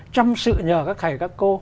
chăm sự nhờ các thầy các cô